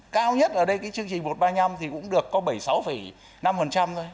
cao nhất ở đây cái chương trình một trăm ba mươi năm thì cũng được có bảy mươi sáu năm thôi